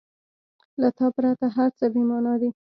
• له تا پرته هر څه بېمانا دي.